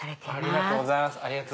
ありがとうございます。